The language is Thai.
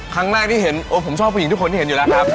ครั้งแรกที่เห็นโอ้ผมชอบผู้หญิงทุกคนที่เห็นอยู่แล้วครับ